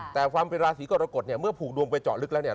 แต่ความเป็นราศีกรกฎเนี่ยเมื่อผูกดวงไปเจาะลึกแล้วเนี่ย